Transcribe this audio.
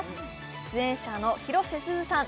出演者の広瀬すずさん